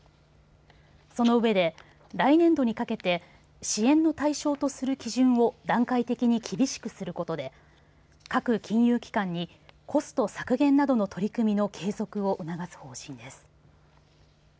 その上で来年度にかけて支援の対象とする基準を段階的に厳しくすることで各金融機関にコスト削減などの取り組みの継続を促す方針です。